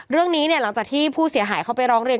เรื่องนี้เนี่ยหลังจากที่ผู้เสียหายเขาไปร้องเรียน